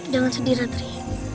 jangan sedih radri